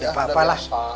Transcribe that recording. ya udah beresan